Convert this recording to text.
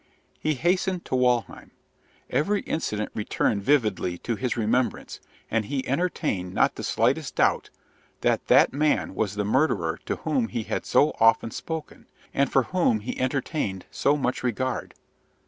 He hastened to Walheim. Every incident returned vividly to his remembrance; and he entertained not the slightest doubt that that man was the murderer to whom he had so often spoken, and for whom he entertained so much regard.